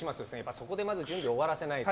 そこでまず準備を終わらせないと。